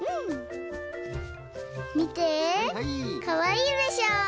かわいいでしょ？